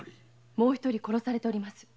もう一人殺されております。